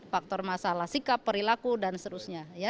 faktor masalah sikap perilaku dan seterusnya